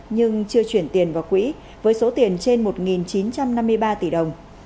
nhưng chưa chuyển tiền vào quỹ với số tiền trên một chín trăm năm mươi ba tỷ đồng